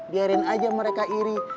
biarin aja mereka iri